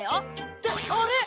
ってあれ？